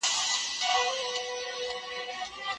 تاسو باید په خپلو مالونو کي د خیر برخه ولرئ.